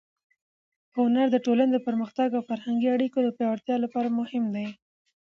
هنر د ټولنې د پرمختګ او فرهنګي اړیکو د پیاوړتیا لپاره مهم دی.